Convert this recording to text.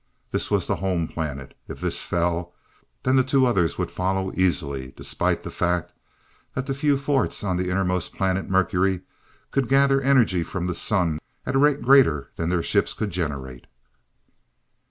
This was the home planet. If this fell, then the two others would follow easily, despite the fact that the few forts on the innermost planet, Mercury, could gather energy from the sun at a rate greater than their ships could generate.